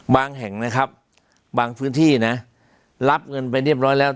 แห่งนะครับบางพื้นที่นะรับเงินไปเรียบร้อยแล้ว